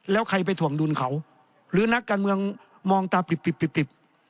แล้วใครไปถ่วงดุลเขาหรือนักการเมืองมองตาปิบ